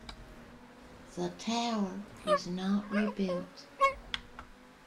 The tower was not rebuilt.